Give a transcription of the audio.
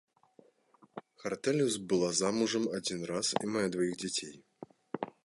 Хартэліус была замужам адзін раз і мае дваіх дзяцей.